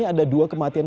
walaupun angka kematian